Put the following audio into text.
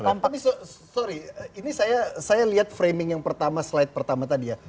tapi sorry ini saya lihat framing yang pertama slide pertama tadi ya